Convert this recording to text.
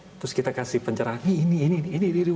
terus kita kasih pencerahan ini ini ini